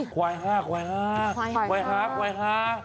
ควายห้าควายห้าควายฮักควายฮา